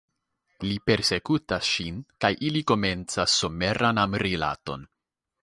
Li persekutas ŝin kaj ili komencas someran amrilaton.